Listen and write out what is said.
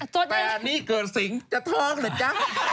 แต่นี่เกิดสิงจะท้องเลยจ้ะ